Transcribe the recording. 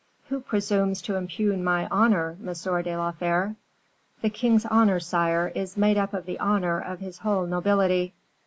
"Who presumes to impugn my honor, Monsieur de la Fere?" "The king's honor, sire, is made up of the honor of his whole nobility.